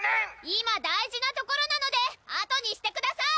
今大事なところなのであとにしてください！